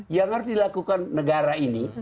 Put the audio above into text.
yang harus dilakukan negara ini